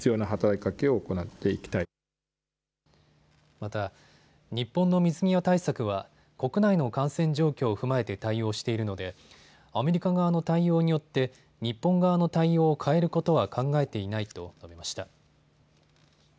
また、日本の水際対策は国内の感染状況を踏まえて対応しているのでアメリカ側の対応によって日本側の対応を変えることは考えていないと述べました。